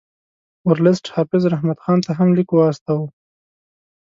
ورلسټ حافظ رحمت خان ته هم لیک واستاوه.